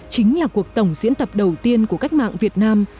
chính là cuộc tổng diễn tập đầu tiên của cách mạng việt nam